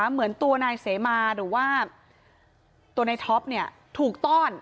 เหมือนตัวนายเสมาหรือว่าตัวในท็อปถูกต้อน